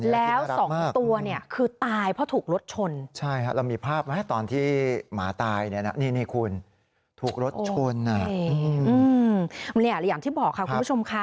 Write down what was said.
แล้ว๒ตัวเนี่ยคือตายพอถูกรถชน